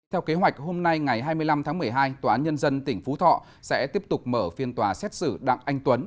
theo kế hoạch hôm nay ngày hai mươi năm tháng một mươi hai tòa án nhân dân tỉnh phú thọ sẽ tiếp tục mở phiên tòa xét xử đặng anh tuấn